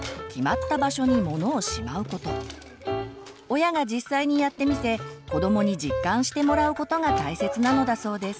親が実際にやってみせ子どもに実感してもらうことが大切なのだそうです。